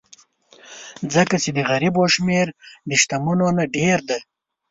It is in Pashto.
ځکه چې د غریبو شمېر د شتمنو نه ډېر دی.